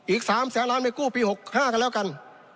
อีก๓แสนล้านไปกู้ปี๖๕กันแล้วกัน